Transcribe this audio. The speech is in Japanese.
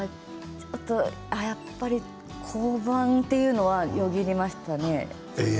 やっぱり降板というのはよぎりましたね